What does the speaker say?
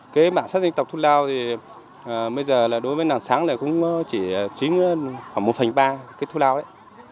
cái bản sắc dân tộc thu lào thì bây giờ đối với nàng sáng này cũng chỉ chính khoảng một phần ba cái thu lào đấy